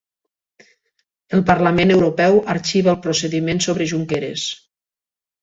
El Parlament Europeu arxiva el procediment sobre Junqueras